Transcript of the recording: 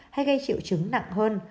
hay gây triệu chứng nặng hơn